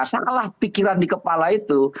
salah pikiran di kepala itu